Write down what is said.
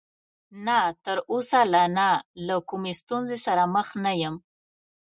نه، تر اوسه لا نه، له کومې ستونزې سره مخ نه یم.